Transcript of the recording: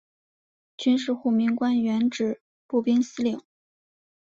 军事护民官原指步兵司令。